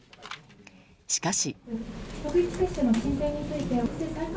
しかし。